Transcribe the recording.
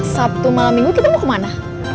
sabtu malam minggu kita mau kemana